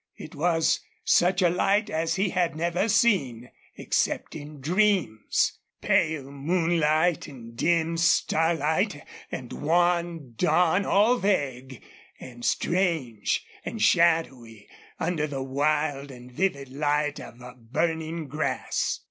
It was such a light as he had never seen, except in dreams. Pale moonlight and dimmed starlight and wan dawn all vague and strange and shadowy under the wild and vivid light of burning grass.